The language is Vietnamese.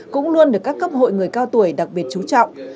cũng luôn được các cấp hội người cao tuổi đặc biệt chú trọng